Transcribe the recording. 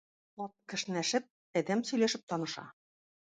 Ат кешнәшеп, адәм сөйләшеп таныша.